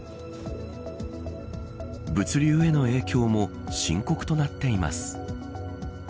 物流への影響も深刻となっています。